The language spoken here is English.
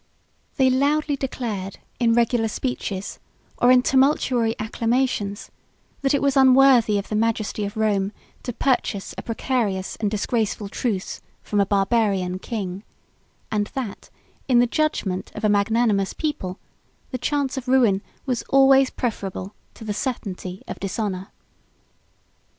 They loudly declared, in regular speeches, or in tumultuary acclamations, that it was unworthy of the majesty of Rome to purchase a precarious and disgraceful truce from a Barbarian king; and that, in the judgment of a magnanimous people, the chance of ruin was always preferable to the certainty of dishonor.